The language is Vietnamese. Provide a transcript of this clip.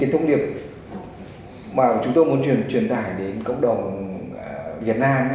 thông điệp mà chúng tôi muốn truyền tải đến cộng đồng việt nam